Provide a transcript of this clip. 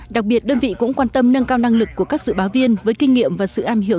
đặc biệt đơn vị cũng quan tâm nâng cao năng lực của các sự báo viên với kinh nghiệm và sự am hiểu